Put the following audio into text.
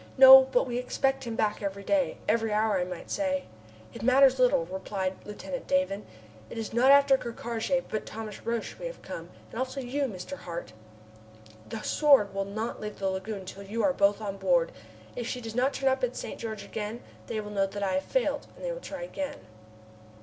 "No, but we expect him back every day every hour, I might say." "It matters little," replied Lieutenant Davon. "It is not after Ker Karraje, but Thomas Roch, we have come and you also, Mr. Hart. The Sword will not leave the lagoon till you are both on board. If she does not turn up at St. George again, they will know that I have failed and they will try again."